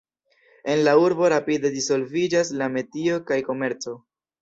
En la urbo rapide disvolviĝas la metio kaj komerco.